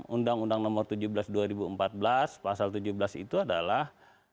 undang undang nomor tujuh belas dua ribu empat belas pasal tujuh belas itu adalah